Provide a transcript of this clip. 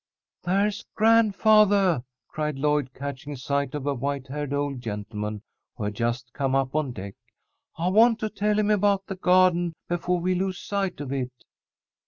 "There's grandfathah!" cried Lloyd, catching sight of a white haired old gentleman who had just come up on deck. "I want to tell him about the garden before we lose sight of it."